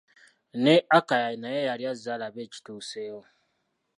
Ne Akaya naye yali azze alabe ekituusewo.